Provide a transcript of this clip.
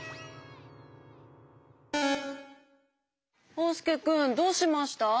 おうすけくんどうしました？